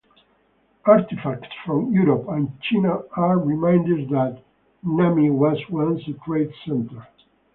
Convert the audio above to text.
Artifacts from Europe and China are reminders that Khami was once a trade centre.